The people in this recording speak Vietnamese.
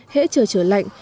hễ trở trở lạnh